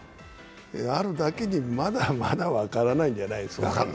あるだけに、まだまだ分からないんじゃないですか。